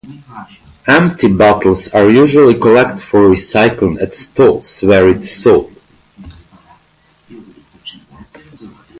Empty bottles are usually collected for recycling at stalls where it is sold.